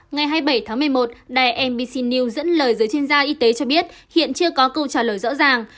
ngày hai mươi bảy tháng một mươi một đài mbc news dẫn lời giới chuyên gia y tế cho biết hiện chưa có câu trả lời rõ ràng